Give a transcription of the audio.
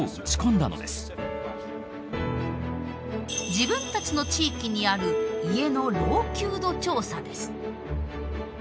自分たちの地域にある家の老朽度調査です。